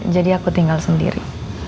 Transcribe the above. jadi aku tinggal sendiri